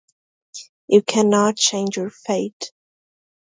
You cannot change your fate.